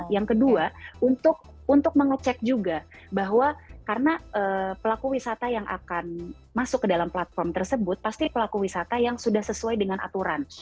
yang kedua untuk mengecek juga bahwa karena pelaku wisata yang akan masuk ke dalam platform tersebut pasti pelaku wisata yang sudah sesuai dengan aturan